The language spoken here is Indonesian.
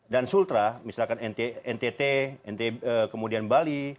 dan sultra misalkan ntt kemudian bali